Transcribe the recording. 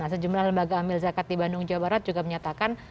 sejumlah lembaga ambil zakat di bandung jawa barat juga menyatakan